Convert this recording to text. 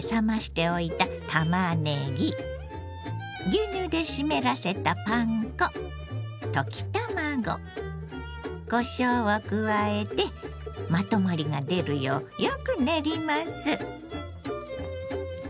牛乳で湿らせたパン粉溶き卵こしょうを加えてまとまりが出るようよく練ります。